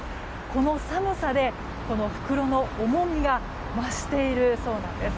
この寒さでこの袋の重みが増しているそうなんです。